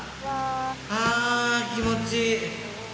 あぁ気持ちいい。